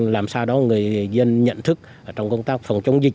làm sao đó người dân nhận thức trong công tác phòng chống dịch